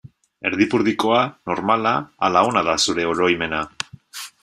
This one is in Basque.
Erdipurdikoa, normala ala ona da zure oroimena?